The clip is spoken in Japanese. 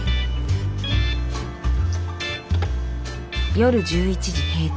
夜１１時閉店。